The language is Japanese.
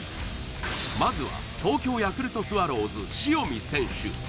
まずは東京ヤクルトスワローズ塩見選手